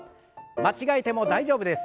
間違えても大丈夫です。